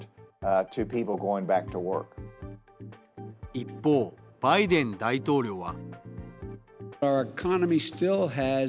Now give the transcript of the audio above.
一方、バイデン大統領は。